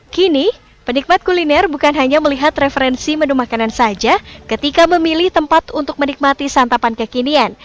kini penikmat kuliner bukan hanya melihat referensi menu makanan saja ketika memilih tempat untuk menikmati santapan kekinian